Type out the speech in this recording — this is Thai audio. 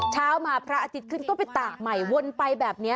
เช้ามาพระอาทิตย์ขึ้นก็ไปตากใหม่วนไปแบบนี้